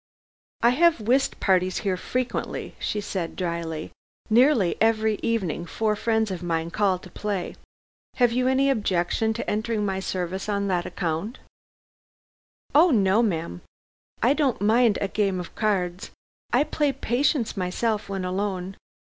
"I have whist parties here frequently," she said drily; "nearly every evening four friends of mine call to play. Have you any objection to enter my service on that account?" "Oh, no, ma'am. I don't mind a game of cards. I play 'Patience' myself when alone.